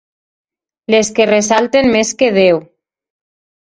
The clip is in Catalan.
Les que ressalten més que deu.